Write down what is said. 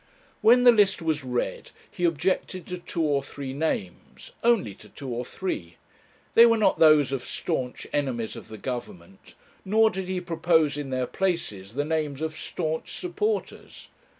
When the list was read he objected to two or three names only to two or three. They were not those of staunch enemies of the Government; nor did he propose in their places the names of staunch supporters.